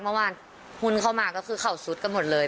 เมื่อวานหุ้นเข้ามาก็คือเขาซุดกันหมดเลย